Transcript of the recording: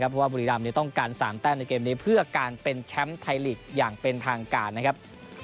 เพราะว่าบุรีรำต้องการ๓แต้มในเกมนี้เพื่อการเป็นแชมป์ไทยลีกอย่างเป็นทางการนะครับ